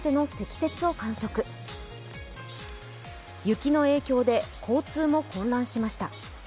雪の影響で交通も混乱しました。